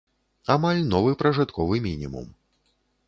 Амаль новы пражытковы мінімум.